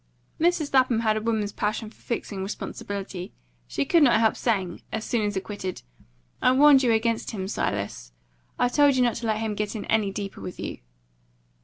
Mrs. Lapham had a woman's passion for fixing responsibility; she could not help saying, as soon as acquitted, "I warned you against him, Silas. I told you not to let him get in any deeper with you."